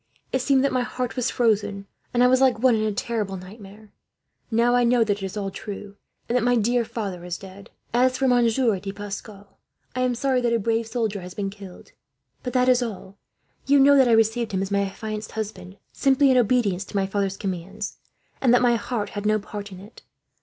It seemed that my heart was frozen, and I was like one in a terrible nightmare. Now I know that it is all true, and that my dear father is dead. "As for Monsieur de Pascal, I am sorry that a brave soldier has been killed; but that is all. You know that I received him, as my affianced husband, simply in obedience to my father's commands; and that my heart had no part in it.